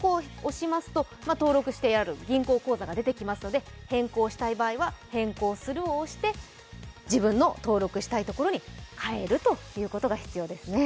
登録してある銀行口座が出てきますので変更した場合は「変更する」を押して自分の登録したいところに変えることが必要ですね。